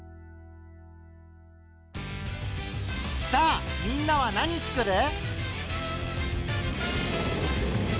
さあみんなは何つくる？